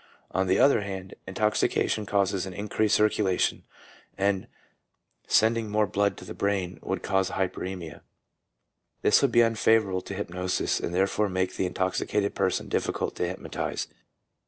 On the other hand, intoxication causes an increased circulation, and, sending more blood to the brain, would cause a hyperemia. This would be unfavourable to hypnosis, and therefore make the intoxicated person difficult to hypnotize.